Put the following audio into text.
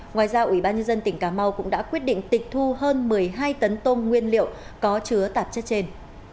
ngoài ra ủy ban nhân dân tỉnh cà mau cũng đã quyết định tịch thu hơn một mươi hai tấn tôm nguyên liệu có chứa tạp chất trên